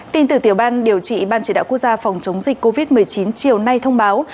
tin từ tiểu ban điều trị ban chỉ đạo quốc gia phòng chống dịch covid một mươi chín chiều nay thông báo